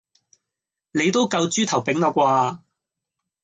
你都夠豬頭柄啦啩?